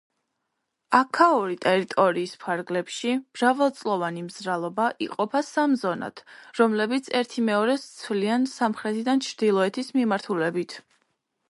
აქაური ტერიტორიის ფარგლებში მრავალწლოვანი მზრალობა იყოფა სამ ზონად: რომლებიც ერთიმეორეს ცვლიან სამხრეთიდან ჩრდილოეთის მიმართულებით.